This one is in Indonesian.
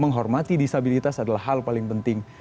menghormati disabilitas adalah hal paling penting